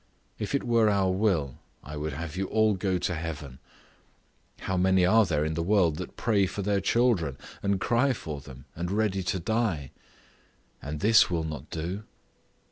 If it were our will, I would have you all go to heaven. How many are there in the world that pray for their children, and cry for them, and ready to die; and this will not do?